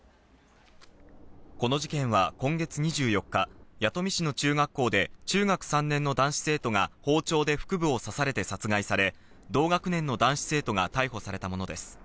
この事件は今月２４日、弥富市の中学校で中学３年の男子生徒が包丁で腹部を刺されて殺害され、同学年の男子生徒が逮捕されたものです。